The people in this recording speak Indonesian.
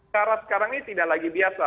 cara sekarang ini tidak lagi biasa